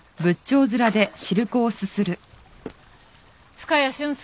深谷俊介